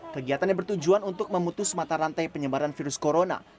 kegiatannya bertujuan untuk memutus mata rantai penyebaran virus corona